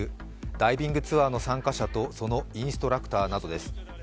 ダイビングツアーの参加者とそのインストラクターなどです。